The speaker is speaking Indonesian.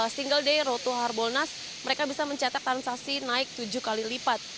single day road to harbolnas mereka bisa mencetak transaksi naik tujuh kali lipat